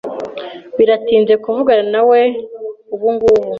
Biratinze kuvuganawe nawe ubungubu.